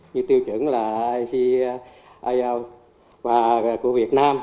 như tiêu chuẩn là icio và của việt nam